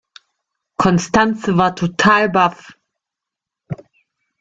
Constanze war total baff.